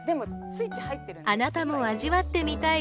あなたも味わってみたい